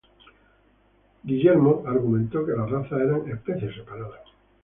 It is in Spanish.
Winston, ""argumentó que las razas eran especies separadas.